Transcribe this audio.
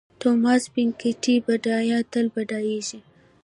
توماس پیکیټي بډایان تل بډایېږي.